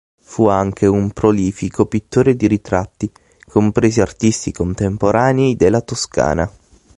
Fu anche un prolifico pittore di ritratti, compresi artisti contemporanei della Toscana.